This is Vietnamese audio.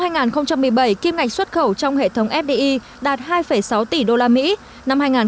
năm hai nghìn một mươi bảy kim ngạch xuất khẩu trong hệ thống fdi đạt hai sáu tỷ đồng